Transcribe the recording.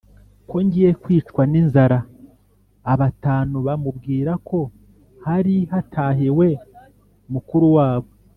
ko ngiye kwicwa n’inzara?” Abatanu bamubwira ko hari hatahiwe mukuru wabo